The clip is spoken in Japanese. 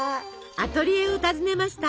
アトリエを訪ねました。